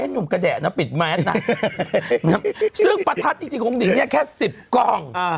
หนุ่มกระแดะนะปิดแมสนะซึ่งประทัดจริงของหนิงเนี่ยแค่๑๐กล่อง